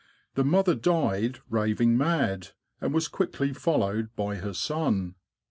The mother died raving mad, and was quickly followed by her son.